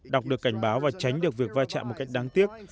đọc được cảnh báo và tránh được việc vai trạng một cách đáng tiếc